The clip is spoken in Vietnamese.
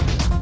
tất cả các